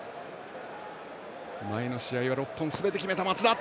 前の試合は６本すべて決めた松田。